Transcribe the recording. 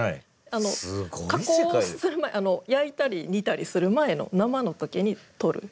あの加工する前焼いたり煮たりする前の生の時に取る。